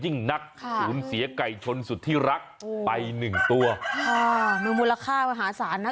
นักค่ะศูนย์เสียไก่ชนสุดที่รักไปหนึ่งตัวค่ะมีมูลค่ามหาศาลนะ